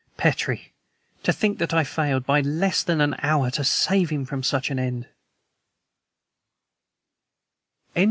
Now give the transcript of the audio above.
Petrie, to think that I failed, by less than an hour, to save him from such an end!"